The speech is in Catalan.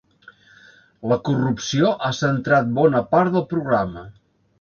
La corrupció ha centrat bona part del programa.